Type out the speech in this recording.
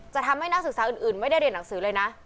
จะทำให้นักศึกษาอื่นไม่ได้เรียนหนังสือเลยนะ